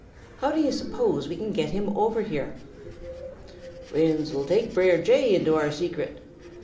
How do you suppose we can get him over here?" "We uns will take Brer Jay into our secret.